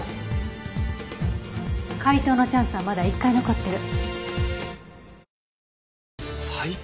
解答のチャンスはまだ１回残ってる。